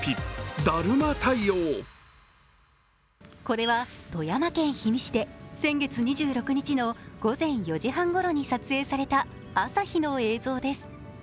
これは富山県氷見市で先月２６日の午前４時半ごろに撮影された朝日の映像です。